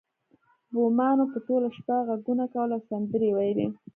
بومانو به ټوله شپه غږونه کول او سندرې ویلې